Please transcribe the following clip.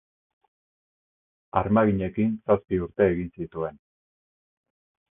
Armaginekin zazpi urte egin zituen.